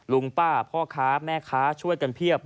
ลุงป้าพ่อค้าแม่ค้าช่วยกันเพียบ